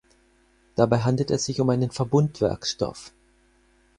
Dabei handelt es sich um einen Verbundwerkstoff.